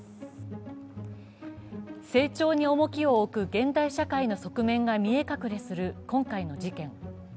成長に重きを置く現代社会の側面が見え隠れする今回の事件。